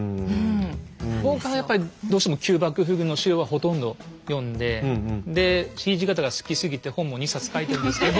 僕はやっぱりどうしても旧幕府軍の史料はほとんど読んでで土方が好きすぎて本も２冊書いてるんですけど。